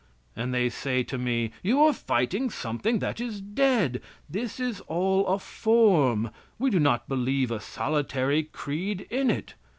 And they say to me: "You are fighting something that is dead. This is all a form, we do not believe a solitary creed in it.